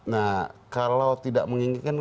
nah kalau tidak menginginkan